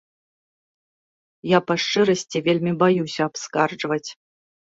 Я, па шчырасці, вельмі баюся абскарджваць.